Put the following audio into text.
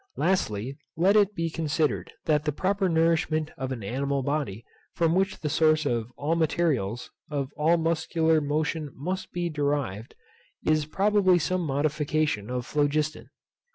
Lastly, Let it be considered that the proper nourishment of an animal body, from which the source and materials of all muscular motion must be derived, is probably some modification of phlogiston.